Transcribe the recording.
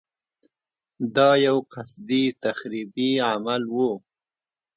دا یو قصدي تخریبي عمل و.